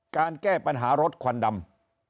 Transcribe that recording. การแก้ปัญหารถควันดำ